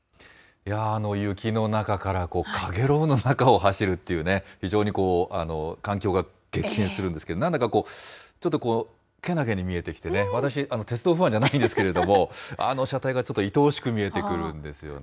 いやー、あの雪の中からかげろうの中を走るっていうね、非常に環境が激変するんですけど、なんだかこう、ちょっとこう、けなげに見えてきてね、私、鉄道ファンじゃないんですけれども、あの車体がちょっといとおしく見えてくるんですよね。